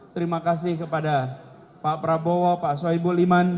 terima kasih kepada pak prabowo pak soebo liman